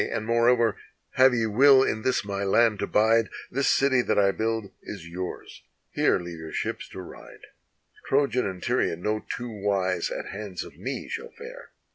and moreover, have ye will in this my land to bide, This city that I build is yours: here leave your ships to ride: Trojan and Tyrian no two wise at hands of me shall fare.